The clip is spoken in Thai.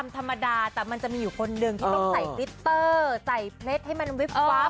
หมายถึงเห็นที่มีคนนึงก็จะมีคนนึงร่างกาย